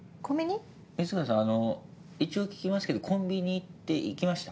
水川さんあの一応聞きますけどコンビニって行きました？